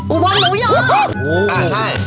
อุบลหนูยอม